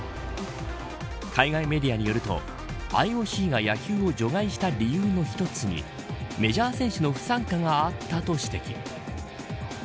海外メディアによるとＩＯＣが野球を除外した理由の一つにメジャー選手の不参加があったと指摘。